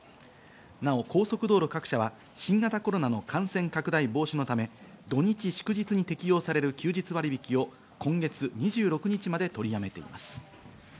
なお高速道路各社は新型コロナの感染拡大防止のため、土日祝日に適用される休日割引を今月２６日まで取りやめています。